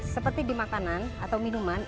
seperti di makanan atau minuman